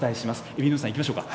海老沼さん、行きましょうか。